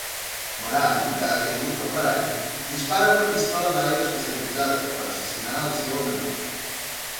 Moran, que ha caigut al parany, dispara una pistola d'aire especialitzada per assassinar el seu enemic.